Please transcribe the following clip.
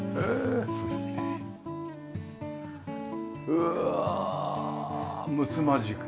うわあむつまじく。